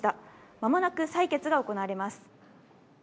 まもなく採決が行われます。